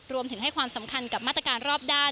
รวมถึงให้ความสำคัญกับมาตรการรอบด้าน